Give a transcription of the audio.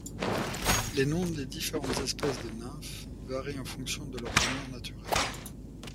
Les noms des différentes espèces de nymphes varient en fonction de leurs demeures naturelles.